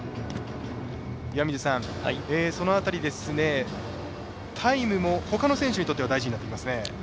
岩水さん、その辺りタイムも、ほかの選手にとっては大事になってきますね。